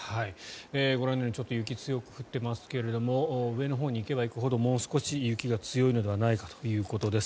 ご覧のようにちょっと雪、強く降ってますが上のほうに行けば行くほど雪が強いのではないかということです。